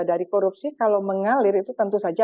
dari korupsi kalau mengalir itu tentu saja